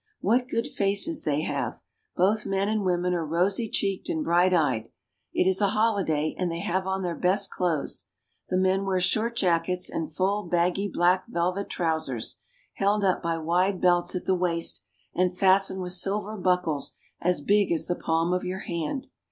What good faces they have. Both men and women are rosy cheeked and bright eyed. It is a holiday, and they have on their best clothes. The men wear short jackets and full baggy black velvet trousers, held up by wide belts at the waist, and fastened with silver buckles as big as the palm of your hand.